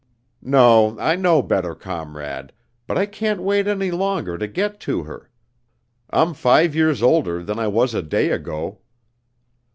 "No, I know better, comrade, but I can't wait any longer to get to her. I'm five years older than I was a day ago."